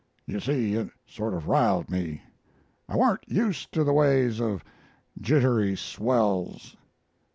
You see, it sort of riled me I warn't used to the ways of Jittery swells.